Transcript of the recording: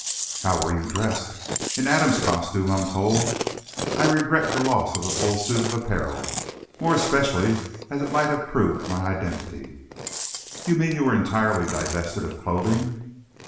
"How were you dressed?" "In Adam's costume, I'm told. I regret the loss of a full suit of apparel, more especially as it might have proved my identity." "You mean you were entirely divested of clothing?"